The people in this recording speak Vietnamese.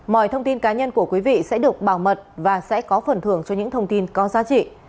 mọi thông tin cá nhân của quý vị sẽ được bảo mật và sẽ có phần thưởng cho những thông tin có giá trị